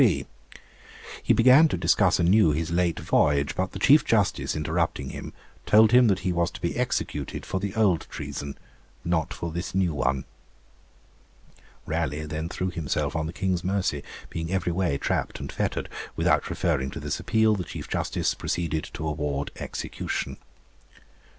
He began to discuss anew his late voyage; but the Chief Justice, interrupting him, told him that he was to be executed for the old treason, not for this new one. Raleigh then threw himself on the King's mercy, being every way trapped and fettered; without referring to this appeal, the Chief Justice proceeded to award execution.